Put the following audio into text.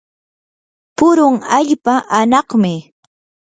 purun allpa anaqmi.